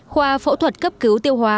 khoa phẫu thuật cấp cứu tiêu hóa